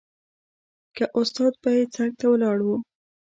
که استاد به يې څنګ ته ولاړ و.